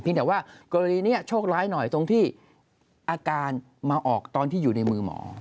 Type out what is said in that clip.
แต่ว่ากรณีนี้โชคร้ายหน่อยตรงที่อาการมาออกตอนที่อยู่ในมือหมอ